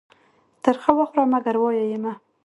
تر خه وخوره ، منگر وايه يې مه.